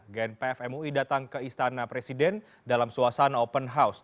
genpfmui datang ke istana presiden dalam suasana open house